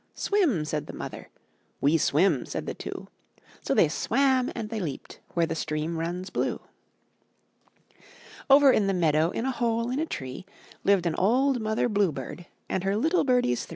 "Swim,'' said the mother; ''We swim," said the two; So they swam and they leaped Where the stream runs blue. Over in the meadow. In a hole in a tree. Lived an old mother bluebird And her little birdies three.